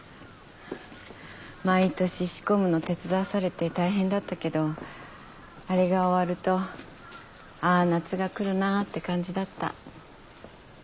毎年仕込むの手伝わされて大変だったけどあれが終わるとああ夏が来るなって感じだった。